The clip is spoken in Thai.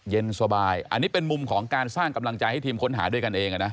เย็นสบายอันนี้เป็นมุมของการสร้างกำลังใจให้ทีมค้นหาด้วยกันเองนะ